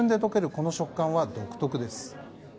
この食感は独特です。